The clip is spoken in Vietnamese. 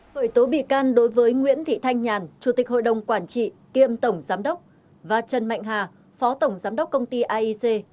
khởi tố bị can đối với nguyễn thị thanh nhàn chủ tịch hội đồng quản trị kiêm tổng giám đốc và trần mạnh hà phó tổng giám đốc công ty aic